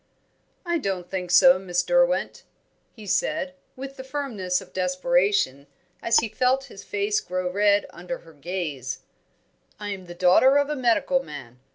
"I don't think so, Miss Derwent," he said, with the firmness of desperation, as he felt his face grow red under her gaze. "I am the daughter of a medical man.